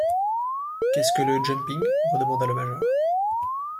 Qu’est-ce que le jumping ? redemanda le major.